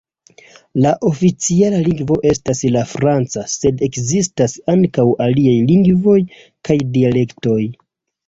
La oficiala lingvo estas la franca, sed ekzistas ankaŭ aliaj lingvoj kaj dialektoj.